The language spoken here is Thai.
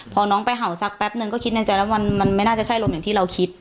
พอน้องไปเห่าสักแป๊บนึงก็คิดในใจแล้วมันไม่น่าจะใช่ลมอย่างที่เราคิด